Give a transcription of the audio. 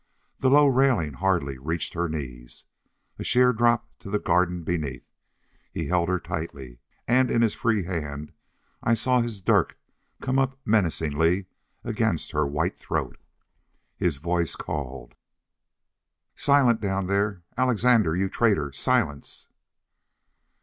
The low railing hardly reached her knees. A sheer drop to the garden beneath. He held her tightly, and in his free hand I saw his dirk come up menacingly against her white throat. His voice called: "Silent, down there! Alexandre, you traitor! Silence!"